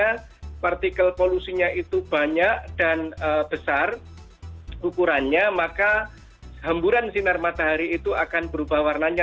karena partikel polusinya itu banyak dan besar ukurannya maka hemburan sinar matahari itu akan berubah warnanya